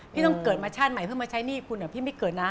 พี่ต้องเกิดมาชาติใหม่เพื่อมาใช้หนี้คุณพี่ไม่เกิดนะ